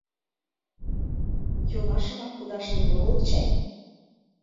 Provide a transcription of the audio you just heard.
— Йолашымак кудашнет огыл чай?